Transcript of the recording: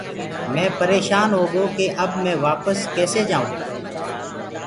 مينٚ پريشان هوگو ڪي اب مي وپس ڪسي جآيونٚ۔